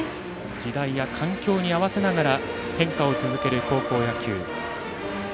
時代や環境に合わせながら変化を続ける高校野球。